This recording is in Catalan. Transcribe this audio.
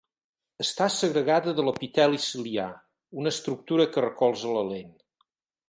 Està segregada de l'epiteli ciliar, una estructura que recolza la lent.